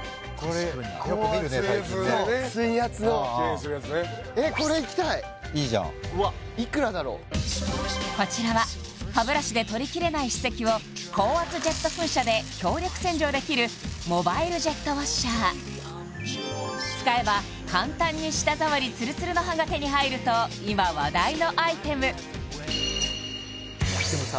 最近ね水圧でねそう水圧のきれいにするやつねいいじゃんこちらは歯ブラシで取りきれない歯石を高圧ジェット噴射で強力洗浄できるモバイルジェットウォッシャー使えば簡単に舌触りツルツルの歯が手に入ると今話題のアイテムでもさ